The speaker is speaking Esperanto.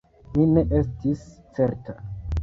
Mi ne estis certa.